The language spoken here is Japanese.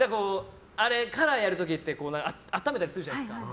カラーやる時って温めたりするじゃないですか。